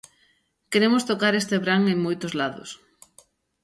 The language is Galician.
Queremos tocar este verán en moitos lados.